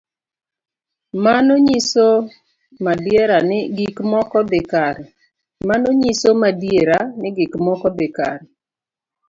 Mano ng'iso madiera ni gik moko dhi kare.